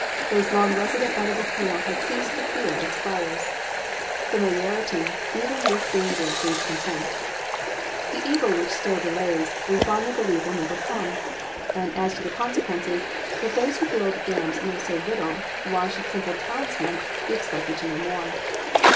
Those long resident by the volcano have ceased to fear its fires. Familiarity, even with danger, breeds contempt. The evil which still delays, we fondly believe will never come. And as to the consequences, if those who build dams know so little, why should simple townsmen be expected to know more?